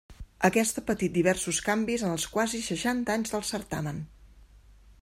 Aquesta ha patit diversos canvis en els quasi seixanta anys del certamen.